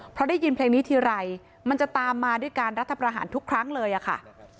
เพราะได้ยินเพลงนี้ทีไรมันจะตามมาด้วยการรัฐประหารทุกครั้งเลยอะค่ะ